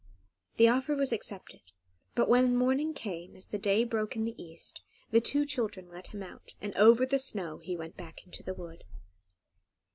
The offer was accepted, but when morning came, as the day broke in the east, the two children let him out, and over the snow he went back into the wood.